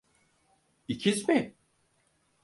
İkiz mi?